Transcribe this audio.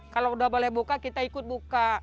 kalau udah boleh buka kita ikut buka